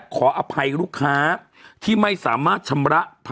ขออภัยลูกค้าที่ไม่สามารถชำระ